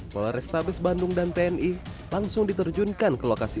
polrestabes bandung dan tni langsung diterjunkan ke lokasi